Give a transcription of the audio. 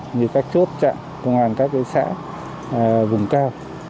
như các chốt chặn công an các xã vùng cao